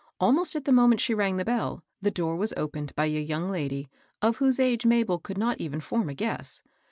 Almost at the moment she rang the bell, the door was opened by a young lady, of whose age Mabel could not even form a guess.